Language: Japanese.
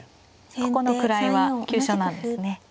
ここの位は急所なんですね。